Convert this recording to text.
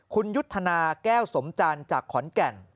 คุณยุทธนาแก้วสมจันทร์จากขอนแก่น